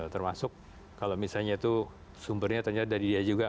termasuk kalau misalnya itu sumbernya ternyata dari dia juga